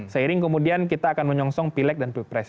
seiring kemudian kita akan menyongsong pilek dan pilpres